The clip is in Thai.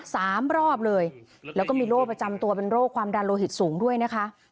สามรอบเลยแล้วก็มีโรคประจำตัวเป็นโรคความดันโลหิตสูงด้วยนะคะ